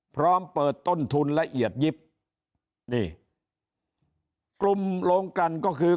พร้อมเปิดต้นทุนและเอียดยิบนี่กลุ่มโรงกรรมก็คือ